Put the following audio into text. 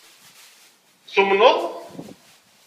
Tumneḍ?